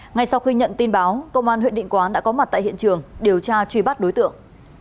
ngay sau khi nhận tin báo công an huyện định quán đã có mặt tại hiện trường điều tra truy bắt đối tượng